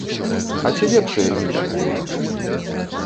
А ці лепшыя іншыя?